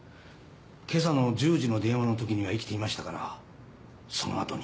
今朝の１０時の電話の時には生きていましたからその後に。